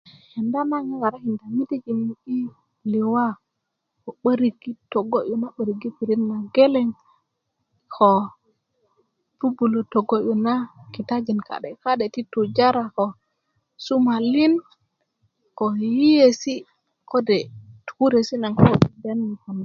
kenda na ŋarakinda midijin i liwa ko 'bärik i togo'yu na 'barik yi pirit nageleŋ ko bubulö togo'yu na kitajin kade kade' ti tujara ko sumalin ko yiyeesi' kode' tokoresi' naŋ do dede kak ni